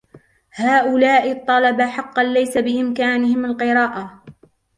هؤلاء الطلبة حقا ليس بإمكانهم القراءة.